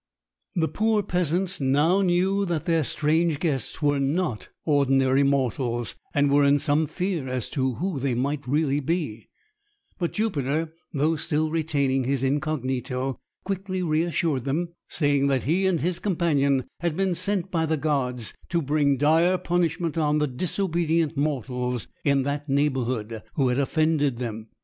The poor peasants now knew that their strange guests were not ordinary mortals, and were in some fear as to who they might really be; but Jupiter, though still retaining his incognito, quickly reassured them, saying that he and his companion had been sent by the gods to bring dire punishment on the disobedient mortals in that neighbourhood who had offended them.